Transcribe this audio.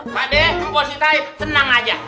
pak d kompositai tenang aja